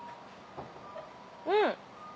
うん。